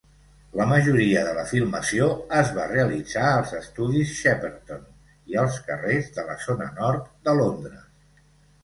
La majoria de la filmació es va realitzar als Estudis Shepperton i als carrers de la zona nord de Londres.